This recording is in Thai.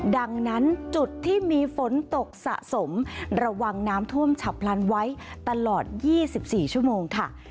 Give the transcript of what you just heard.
ดังนั้นจุดที่มีฝนตกสะสมระวังน้ำท่วมฉับพลันไว้ตลอด๒๔ชั่วโมงค่ะ